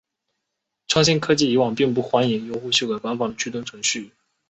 创新科技以往并不欢迎用户修改官方的驱动程序。